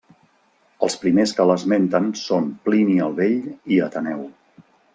Els primers que l'esmenten són Plini el Vell i Ateneu.